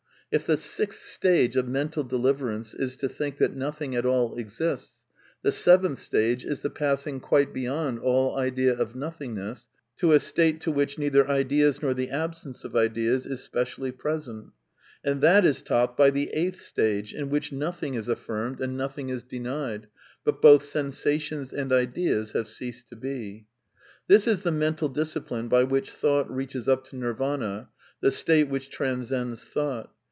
If the sixth stage of mental deliverance is to think that " nothing at all exists," the seventh stage is the passing " quite beyond all idea of nothingness " to " a state to which neither ideas nor the absence of ideas is specially present "; and that is topped by the eighth stage, in which nothing is affirmed and nothing is denied, but " both sensations and ideas have ceased to be." {Mahor parinibbdna Sutta, iii.) This is the mental discipline by which thought reaches up to Nirvana, the state which transcends thought.